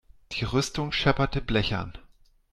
Die Rüstung schepperte blechern.